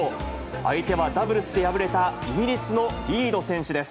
相手はダブルスで敗れた、イギリスのリード選手です。